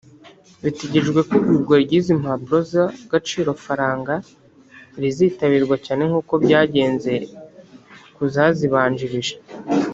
Bitegerejwe ko igurwa ry’izi mpapuro z’agaciro-faranga rizitabirwa cyane nk’uko byagenze ku zazibanjirije